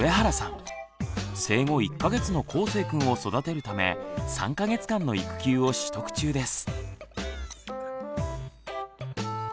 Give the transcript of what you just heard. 生後１か月のこうせいくんを育てるため３か月間の育休を取得中です。